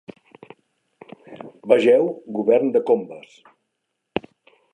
Vegeu Govern de Combes.